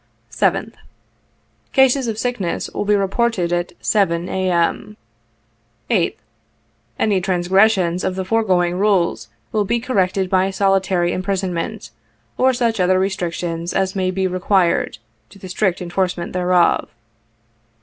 Cl 7th. — Cases of sickness will be reported at 7, A.M. " Sth. — Any transgressions of the foregoing rules will be corrected by solitary imprisonment, or such other restrictions as may be re quired to the strict enforcement thereof.